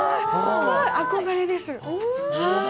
憧れです。